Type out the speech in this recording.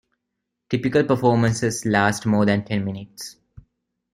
Typical performances last more than ten minutes.